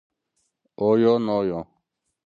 O yo no yo